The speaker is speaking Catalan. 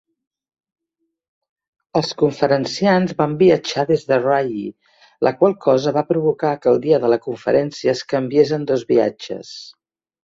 Els conferenciants van viatjar des de Rye, la qual cosa va provocar que el dia de la conferència es canviés en dos viatges.